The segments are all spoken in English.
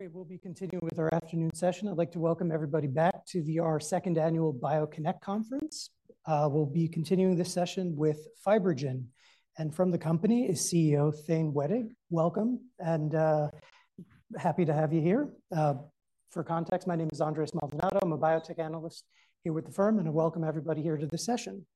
We'll be continuing with our afternoon session. I'd like to welcome everybody back to our second annual BioConnect conference. We'll be continuing this session with FibroGen, and from the company is CEO Thane Wettig. Welcome, and, happy to have you here. For context, my name is Andres Maldonado. I'm a biotech analyst here with the firm, and I welcome everybody here to the session.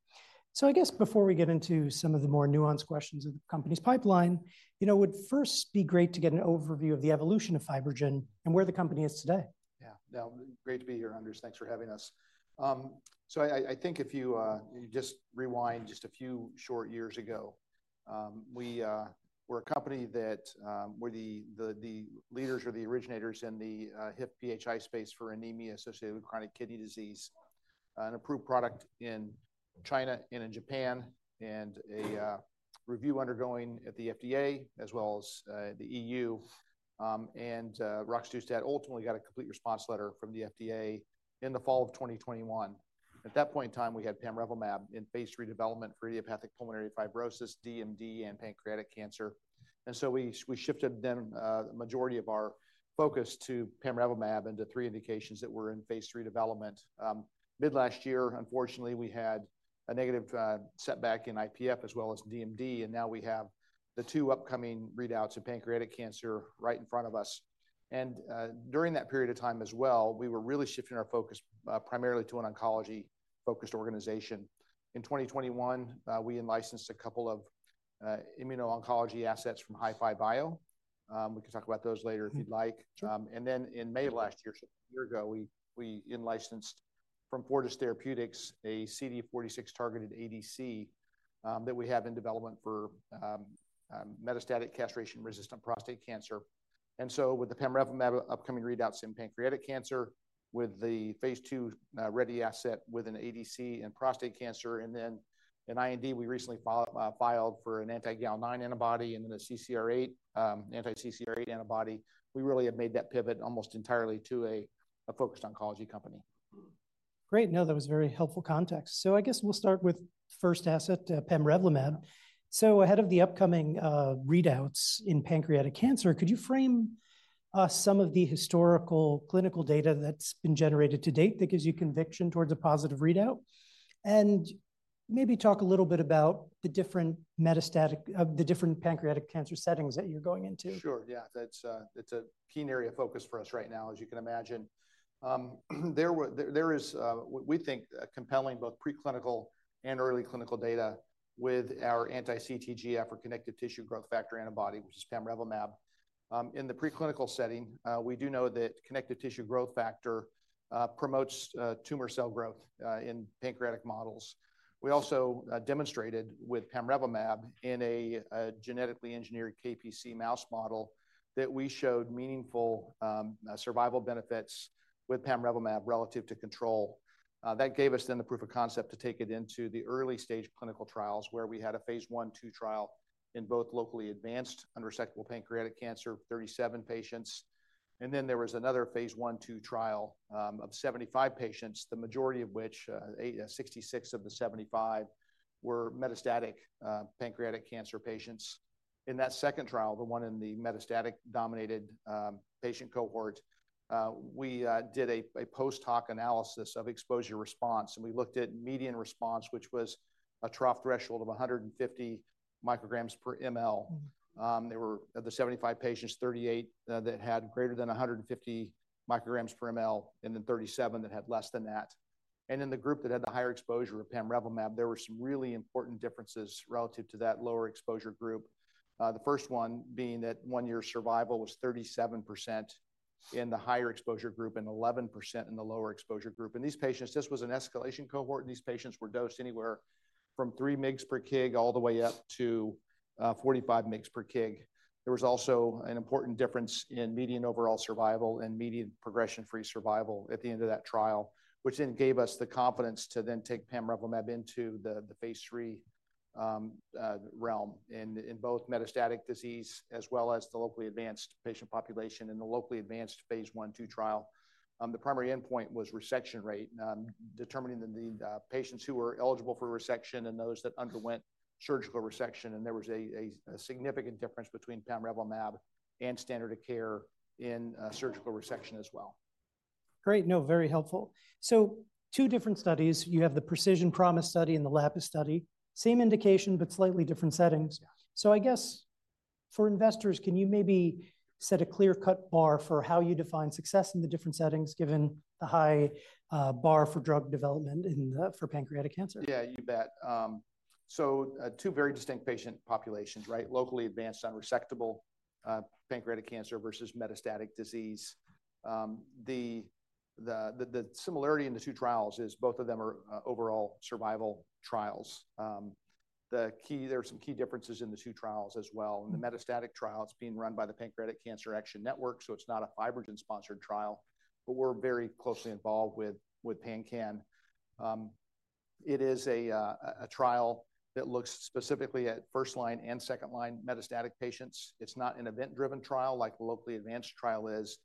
So, I guess before we get into some of the more nuanced questions of the company's pipeline, you know, it would first be great to get an overview of the evolution of FibroGen and where the company is today. Yeah. Now, great to be here, Andres. Thanks for having us. So, I think if you just rewind just a few short years ago, we were a company that we were the leaders or the originators in the HIF-PH space for anemia associated with chronic kidney disease, an approved product in China and in Japan, and a review undergoing at the FDA as well as the EU. And Roxadustat ultimately got a complete response letter from the FDA in the fall of 2021. At that point in time, we had pamrevlumab in phase III development for idiopathic pulmonary fibrosis, DMD, and pancreatic cancer. And so we shifted then the majority of our focus to pamrevlumab into three indications that were in phase III development. Mid last year, unfortunately, we had a negative setback in IPF as well as DMD, and now we have the two upcoming readouts of pancreatic cancer right in front of us. During that period of time as well, we were really shifting our focus primarily to an oncology-focused organization. In 2021, we in-licensed a couple of immuno-oncology assets from HiFiBiO. We can talk about those later if you'd like. Mm-hmm. Sure. And then in May of last year, so a year ago, we in-licensed from Fortis Therapeutics, a CD46 targeted ADC, that we have in development for metastatic castration-resistant prostate cancer. And so with the pamrevlumab upcoming readouts in pancreatic cancer, with the phase II ready asset with an ADC in prostate cancer, and then in IND, we recently filed for an anti-galectin-9 antibody and then a CCR8, anti-CCR8 antibody. We really have made that pivot almost entirely to a focused oncology company. Great. No, that was very helpful context. So, I guess we'll start with first asset, Pamrevlumab. So, ahead of the upcoming readouts in pancreatic cancer, could you frame us some of the historical clinical data that's been generated to date that gives you conviction towards a positive readout? And maybe talk a little bit about the different pancreatic cancer settings that you're going into. Sure, yeah. That's a, it's a key area of focus for us right now, as you can imagine. There is, we think, a compelling both preclinical and early clinical data with our anti-CTGF, or connective tissue growth factor, antibody, which is pamrevlumab. In the preclinical setting, we do know that connective tissue growth factor promotes tumor cell growth in pancreatic models. We also demonstrated with pamrevlumab in a genetically engineered KPC mouse model, that we showed meaningful survival benefits with pamrevlumab relative to control. That gave us then the proof of concept to take it into the early-stage clinical trials, where we had a Phase I/II trial in both locally advanced unresectable pancreatic cancer, 37 patients. There was another phase I/II trial of 75 patients, the majority of which, 66 of the 75, were metastatic pancreatic cancer patients. In that second trial, the one in the metastatic-dominated patient cohort, we did a post hoc analysis of exposure response, and we looked at median response, which was a trough threshold of 150 micrograms per ml. There were, of the 75 patients, 38 that had greater than 150 micrograms per mL, and then 37 that had less than that. And in the group that had the higher exposure of pamrevlumab, there were some really important differences relative to that lower exposure group. The first one being that one-year survival was 37% in the higher exposure group and 11% in the lower exposure group. And these patients, this was an escalation cohort, and these patients were dosed anywhere from 3 mg per kg all the way up to 45 mg per kg. There was also an important difference in median overall survival and median progression-free survival at the end of that trial, which then gave us the confidence to then take pamrevlumab into the phase III realm in both metastatic disease as well as the locally advanced patient population. In the locally advanced phase I/II trial, the primary endpoint was resection rate, determining patients who were eligible for resection and those that underwent surgical resection. There was a significant difference between pamrevlumab and standard of care in surgical resection as well. Great. No, very helpful. Two different studies. You have the Precision Promise study and the LAPIS study. Same indication, but slightly different settings. Yeah. So I guess for investors, can you maybe set a clear-cut bar for how you define success in the different settings, given the high bar for drug development in for pancreatic cancer? Yeah, you bet. Two very distinct patient populations, right? Locally advanced unresectable pancreatic cancer versus metastatic disease. The similarity in the two trials is both of them are overall survival trials. There are some key differences in the two trials as well. In the metastatic trial, it's being run by the Pancreatic Cancer Action Network, so it's not a FibroGen-sponsored trial, but we're very closely involved with PanCAN. It is a trial that looks specifically at first line and second-line metastatic patients. It's not an event-driven trial like the locally advanced trial is.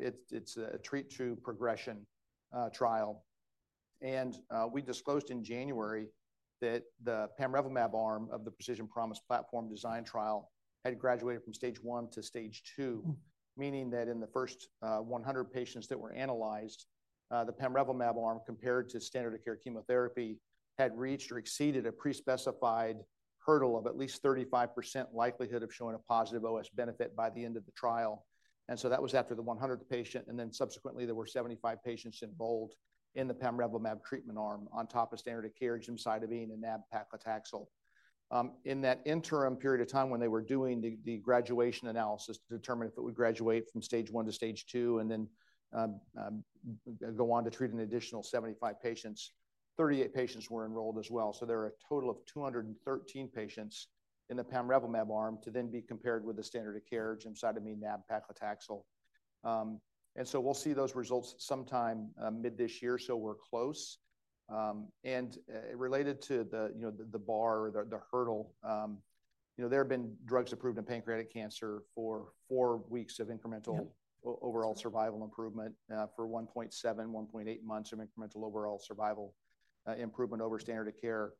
It's a treat to progression trial. We disclosed in January that the pamrevlumab arm of the Precision Promise platform design trial had graduated from Stage One to Stage Two, meaning that in the first 100 patients that were analyzed, the pamrevlumab arm, compared to standard of care chemotherapy, had reached or exceeded a pre-specified hurdle of at least 35% likelihood of showing a positive OS benefit by the end of the trial. So that was after the 100 patients, and then subsequently, there were 75 patients enrolled in the pamrevlumab treatment arm on top of standard of care gemcitabine and nab-paclitaxel. In that interim period of time when they were doing the graduation analysis to determine if it would graduate from Stage One to Stage Two and then go on to treat an additional 75 patients, 38 patients were enrolled as well. So, there are a total of 213 patients in the pamrevlumab arm to then be compared with the standard of care, gemcitabine, nab-paclitaxel. And so, we'll see those results sometime mid this year, so we're close. And related to the, you know, the bar or the hurdle, you know, there have been drugs approved in pancreatic cancer for 4 weeks of incremental- Yeah. Overall survival improvement for 1.7-1.8 months of incremental overall survival improvement over standard of care.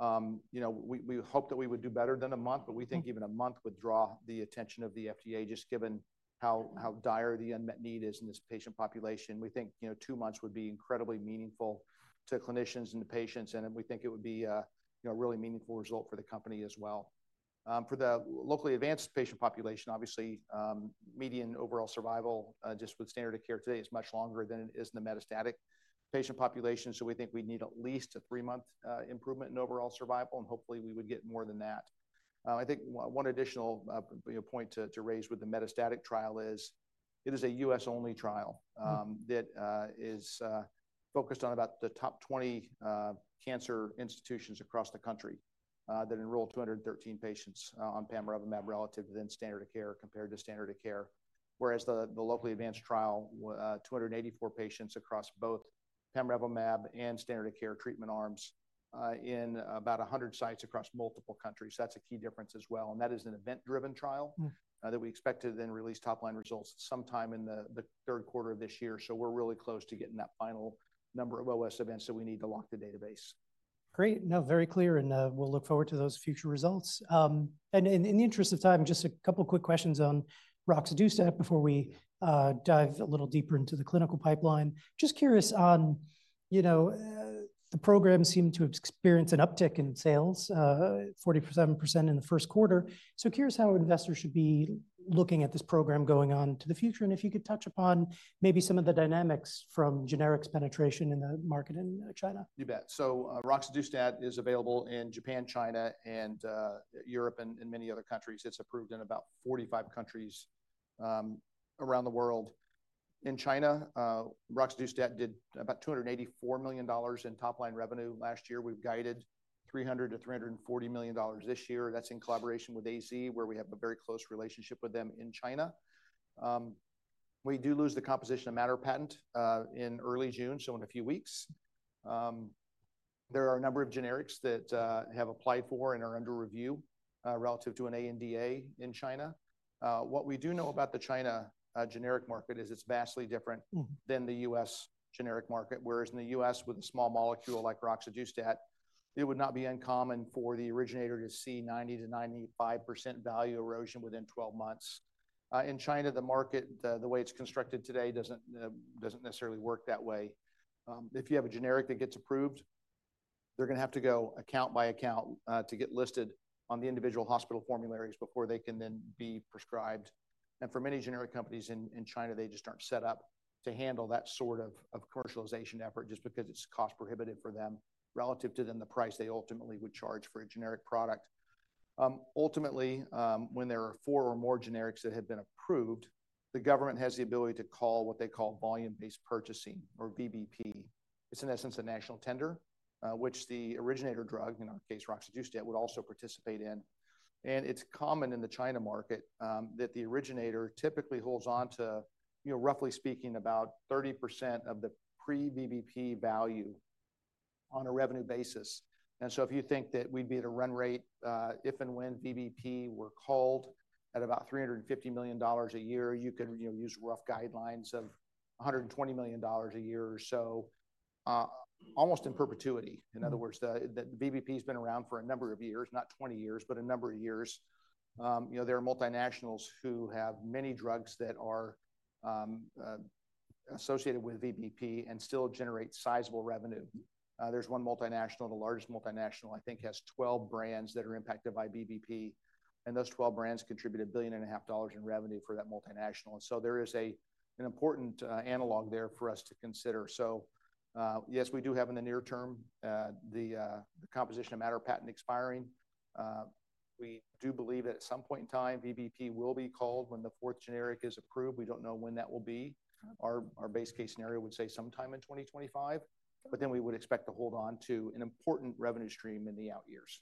You know, we hope that we would do better than a month, but we think even a month would draw the attention of the FDA, just given how dire the unmet need is in this patient population. We think, you know, 2 months would be incredibly meaningful to clinicians and to patients, and then we think it would be a, you know, really meaningful result for the company as well. For the locally advanced patient population, obviously, median overall survival just with standard of care today is much longer than it is in the metastatic patient population. So we think we'd need at least a 3-month improvement in overall survival, and hopefully, we would get more than that. I think one additional, you know, point to raise with the metastatic trial is, it is a U.S.-only trial, that is focused on about the top 20 cancer institutions across the country, that enroll 213 patients on pamrevlumab relative than standard of care, compared to standard of care. Whereas the locally advanced trial, 284 patients across both pamrevlumab and standard of care treatment arms, in about 100 sites across multiple countries. That's a key difference as well, and that is an event-driven trial- Mm. that we expect to then release top-line results sometime in the third quarter of this year. So, we're really close to getting that final number of OS events that we need to lock the database. Great. No, very clear, and we'll look forward to those future results. And in the interest of time, just a couple quick questions on Roxadustat before we dive a little deeper into the clinical pipeline. Just curious on, you know, the program seemed to have experienced an uptick in sales, 47% in the first quarter. So, curious how investors should be looking at this program going on to the future, and if you could touch upon maybe some of the dynamics from generics penetration in the market in China. You bet. So, roxadustat is available in Japan, China, and, Europe, and in many other countries. It's approved in about 45 countries, around the world. In China, roxadustat did about $284 million in top-line revenue last year. We've guided $300-$340 million this year. That's in collaboration with AZ, where we have a very close relationship with them in China. We do lose the composition of matter patent, in early June, so in a few weeks. There are a number of generics that, have applied for and are under review, relative to an ANDA in China. What we do know about the China, generic market is it's vastly different- Mm. -than the U.S. generic market, whereas in the U.S., with a small molecule like roxadustat, it would not be uncommon for the originator to see 90%-95% value erosion within 12 months. In China, the market, the way it's constructed today, doesn't necessarily work that way. If you have a generic that gets approved, they're gonna have to go account by account to get listed on the individual hospital formularies before they can then be prescribed. And for many generic companies in China, they just aren't set up to handle that sort of commercialization effort, just because it's cost-prohibitive for them, relative to then the price they ultimately would charge for a generic product. Ultimately, when there are four or more generics that have been approved, the government has the ability to call what they call volume-based purchasing or VBP. It's in essence a national tender, which the originator drug, in our case, roxadustat, would also participate in. It's common in the China market that the originator typically holds on to, you know, roughly speaking, about 30% of the pre-VBP value on a revenue basis. So, if you think that we'd be at a run rate, if and when VBP were called at about $350 million a year, you could, you know, use rough guidelines of $120 million a year or so, almost in perpetuity. In other words, the VBP's been around for a number of years, not 20 years, but a number of years. You know, there are multinationals who have many drugs that are associated with VBP and still generate sizable revenue. There's one multinational, the largest multinational, I think, has 12 brands that are impacted by VBP, and those 12 brands contribute $1.5 billion in revenue for that multinational. And so there is a, an important analog there for us to consider. So, yes, we do have in the near term, the, composition of matter patent expiring. We do believe that at some point in time, VBP will be called when the fourth generic is approved. We don't know when that will be. Okay. Our base case scenario would say sometime in 2025, but then we would expect to hold on to an important revenue stream in the out years.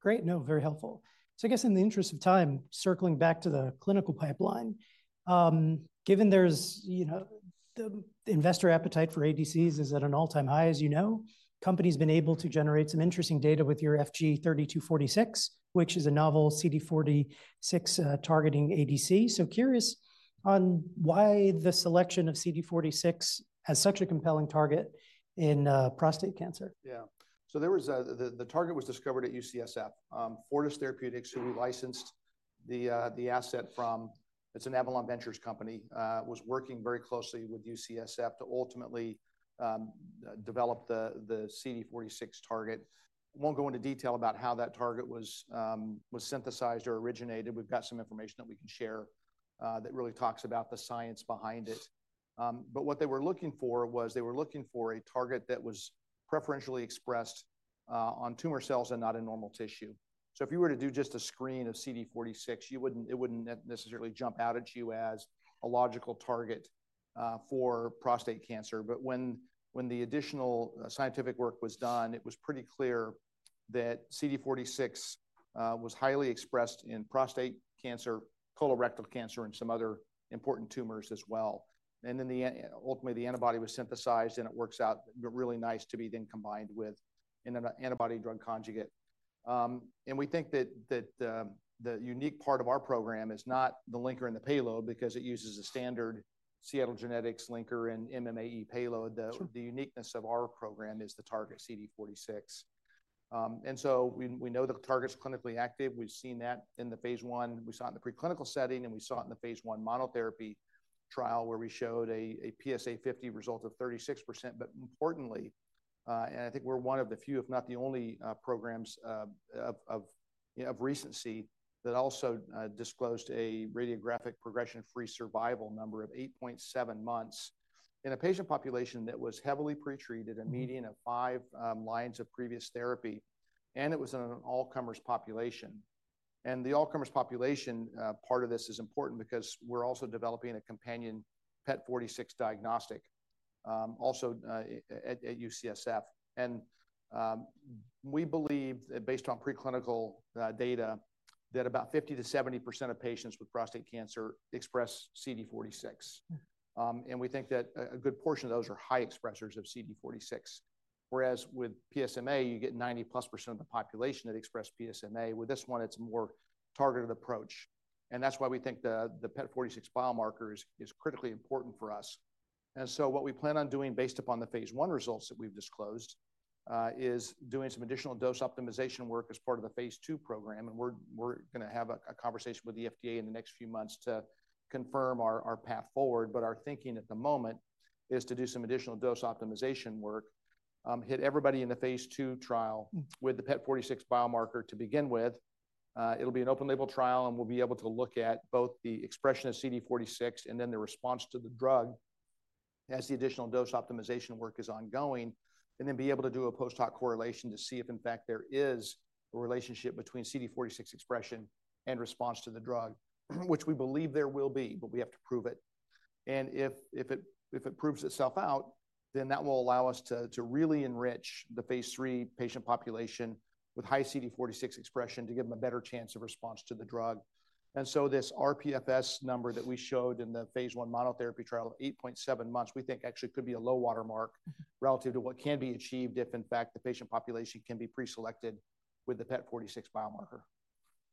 Great. No, very helpful. So, I guess in the interest of time, circling back to the clinical pipeline, given there's, you know, the investor appetite for ADCs is at an all-time high, as you know, company's been able to generate some interesting data with your FG-3246, which is a novel CD46 targeting ADC. So curious on why the selection of CD46 has such a compelling target in prostate cancer? Yeah. So, the target was discovered at UCSF. Fortis Therapeutics, who we licensed the asset from, it's an Avalon Ventures company, was working very closely with UCSF to ultimately develop the CD46 target. I won't go into detail about how that target was synthesized or originated. We've got some information that we can share that really talks about the science behind it. But what they were looking for was a target that was preferentially expressed on tumor cells and not in normal tissue. So, if you were to do just a screen of CD46, it wouldn't necessarily jump out at you as a logical target for prostate cancer. But when the additional scientific work was done, it was pretty clear that CD46 was highly expressed in prostate cancer, colorectal cancer, and some other important tumors as well. And then ultimately, the antibody was synthesized, and it works out really nice to be then combined with an antibody drug conjugate. And we think that the unique part of our program is not the linker and the payload because it uses a standard Seattle Genetics linker and MMAE payload. The- Sure. The uniqueness of our program is the target CD46. And so we know the target's clinically active. We've seen that in the phase 1. We saw it in the preclinical setting, and we saw it in the phase 1 monotherapy trial, where we showed a PSA50 result of 36%. But importantly, and I think we're one of the few, if not the only, programs, of, of, you know, of recency that also disclosed a radiographic progression-free survival number of 8.7 months in a patient population that was heavily pretreated- a median of 5 lines of previous therapy, and it was in an all-comers population. And the all-comers population, part of this is important because we're also developing a companion PET46 diagnostic, also, at UCSF. And we believe that based on preclinical data, that about 50%-70% of patients with prostate cancer express CD46. And we think that a good portion of those are high expressers of CD46, whereas with PSMA, you get 90%+ of the population that express PSMA. With this one, it's a more targeted approach, and that's why we think the PET46 biomarker is critically important for us. And so what we plan on doing, based upon the phase 1 results that we've disclosed, is doing some additional dose optimization work as part of the phase 2 program. And we're gonna have a conversation with the FDA in the next few months to confirm our path forward. But our thinking at the moment is to do some additional dose optimization work, hit everybody in the phase 2 trial-... with the PET46 biomarker to begin with. It'll be an open label trial, and we'll be able to look at both the expression of CD46 and then the response to the drug as the additional dose optimization work is ongoing, and then be able to do a post-hoc correlation to see if, in fact, there is a relationship between CD46 expression and response to the drug, which we believe there will be, but we have to prove it. And if it proves itself out, then that will allow us to really enrich the phase 3 patient population with high CD46 expression to give them a better chance of response to the drug. This rPFS number that we showed in the phase 1 monotherapy trial of 8.7 months, we think actually could be a low water mark relative to what can be achieved if, in fact, the patient population can be preselected with the PET46 biomarker.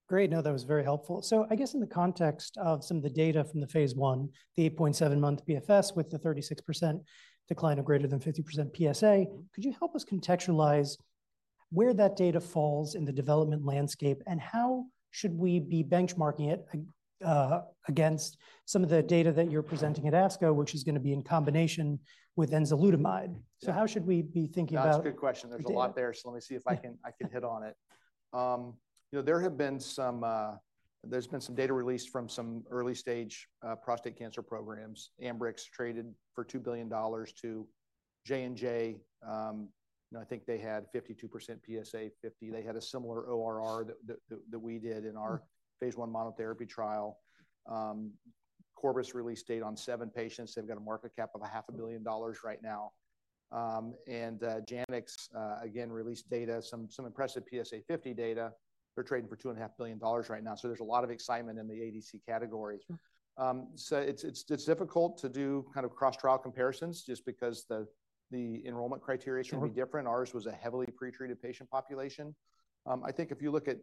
Great. No, that was very helpful. So, I guess in the context of some of the data from the phase one, the 8.7-month PFS with the 36% decline of greater than 50% PSA, could you help us contextualize where that data falls in the development landscape, and how should we be benchmarking it against some of the data that you're presenting at ASCO, which is gonna be in combination with enzalutamide? Yeah. How should we be thinking about- That's a good question. The data. There's a lot there, so let me see if I can- Yeah... I can hit on it. You know, there have been some, there's been some data released from some early-stage prostate cancer programs. Ambrx traded for $2 billion to J&J. And I think they had 52% PSA50. They had a similar ORR that we did in our-... phase 1 monotherapy trial. Corbus released data on 7 patients. They've got a market cap of $500 million right now. Janux, again, released data, some impressive PSA50 data. They're trading for $2.5 billion right now. So there's a lot of excitement in the ADC category. Sure. So, it's difficult to do kind of cross-trial comparisons just because the enrollment criteria- Sure... can be different. Ours was a heavily pretreated patient population. I think if you look at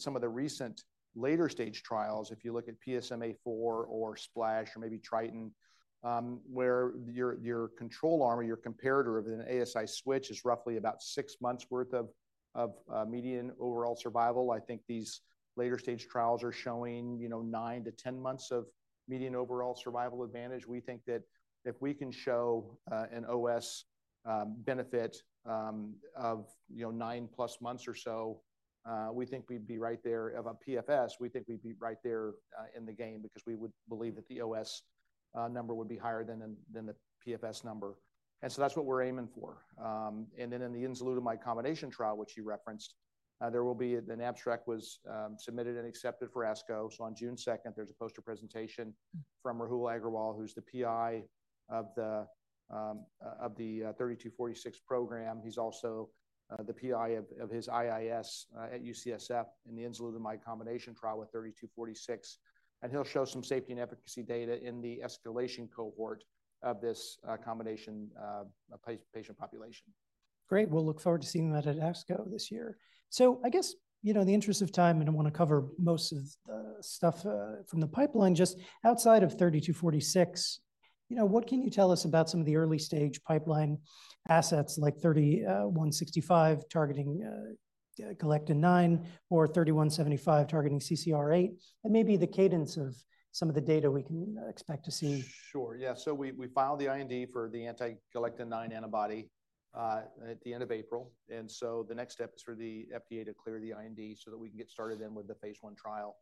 some of the recent later-stage trials, if you look at PSMAfore or SPLASH or maybe TRITON, where your control arm or your comparator of an ASI switch is roughly about 6 months' worth of median overall survival. I think these later-stage trials are showing, you know, 9-10 months of median overall survival advantage. We think that if we can show an OS benefit of, you know, 9+ months or so, we think we'd be right there of a PFS. We think we'd be right there in the game because we would believe that the OS number would be higher than the PFS number. And so that's what we're aiming for. And then in the enzalutamide combination trial, which you referenced, there will be. An abstract was submitted and accepted for ASCO. So, on June 2, there's a poster presentation from Rahul Aggarwal, who's the PI of the FG-3246 program. He's also the PI of his IIS at UCSF in the enzalutamide combination trial with FG-3246, and he'll show some safety and efficacy data in the escalation cohort of this combination patient population. Great. We'll look forward to seeing that at ASCO this year. So, I guess, you know, in the interest of time, and I wanna cover most of the stuff from the pipeline, just outside of 3246. You know, what can you tell us about some of the early-stage pipeline assets like 3165 targeting galectin-9 or 3175 targeting CCR8, and maybe the cadence of some of the data we can expect to see? Sure. Yeah, so we, we filed the IND for the anti-galectin-9 antibody at the end of April, and so, the next step is for the FDA to clear the IND so that we can get started then with the phase one trial.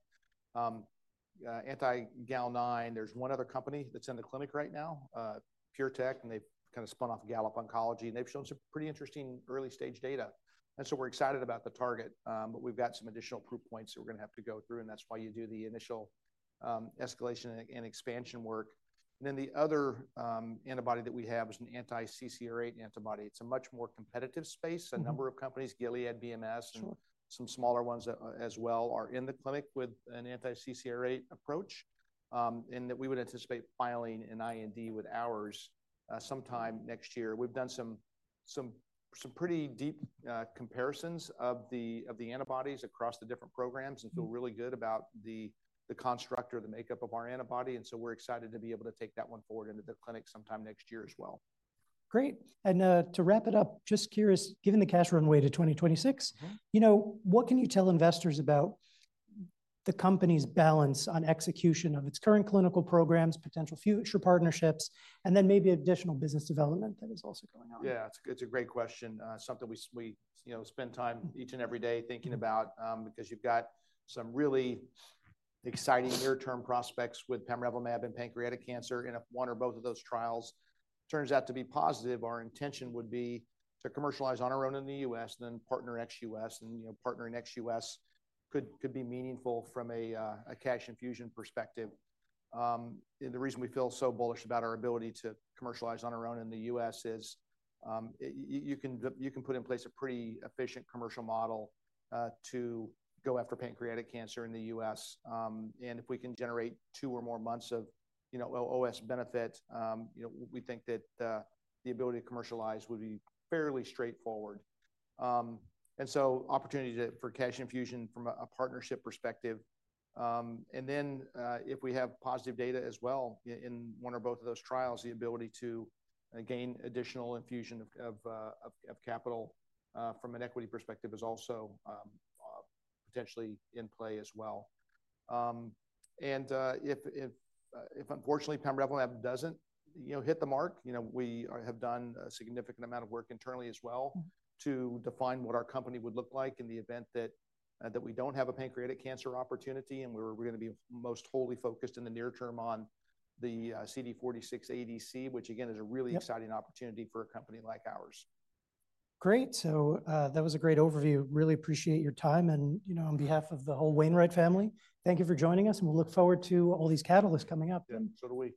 Anti-galectin-9, there's one other company that's in the clinic right now, PureTech, and they've kinda spun off Gallop Oncology, and they've shown some pretty interesting early-stage data. And so, we're excited about the target, but we've got some additional proof points that we're gonna have to go through, and that's why you do the initial escalation and expansion work. And then the other antibody that we have is an anti-CCR8 antibody. It's a much more competitive space. A number of companies, Gilead, BMS- Sure and some smaller ones as well are in the clinic with an anti-CCR8 approach. And we would anticipate filing an IND with ours sometime next year. We've done some pretty deep comparisons of the antibodies across the different programs. feel really good about the construct or the makeup of our antibody, and so we're excited to be able to take that one forward into the clinic sometime next year as well. Great. To wrap it up, just curious, given the cash runway to 2026- You know, what can you tell investors about the company's balance on execution of its current clinical programs, potential future partnerships, and then maybe additional business development that is also going on? Yeah, it's a great question, something we, you know, spend time each and every day thinking about, because you've got some really exciting near-term prospects with pamrevlumab and pancreatic cancer, and if one or both of those trials turns out to be positive, our intention would be to commercialize on our own in the U.S., and then partner ex-U.S., and, you know, partnering ex-U.S. could be meaningful from a cash infusion perspective. And the reason we feel so bullish about our ability to commercialize on our own in the U.S. is, you can put in place a pretty efficient commercial model to go after pancreatic cancer in the U.S. And if we can generate two or more months of, you know, OS benefit, you know, we think that the ability to commercialize would be fairly straightforward. And so opportunity for cash infusion from a partnership perspective, and then, if we have positive data as well in one or both of those trials, the ability to gain additional infusion of capital from an equity perspective is also potentially in play as well. And if unfortunately, pamrevlumab doesn't, you know, hit the mark, you know, we have done a significant amount of work internally as well- to define what our company would look like in the event that we don't have a pancreatic cancer opportunity, and we're gonna be most wholly focused in the near term on the CD-46 ADC, which again, is a really- Yep exciting opportunity for a company like ours. Great, so, that was a great overview. Really appreciate your time, and, you know, on behalf of the whole Wainwright family, thank you for joining us, and we'll look forward to all these catalysts coming up. Yeah, so do we. Thanks.